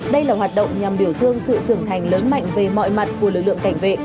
đây là hoạt động nhằm biểu dương sự trưởng thành lớn mạnh về mọi mặt của lực lượng cảnh vệ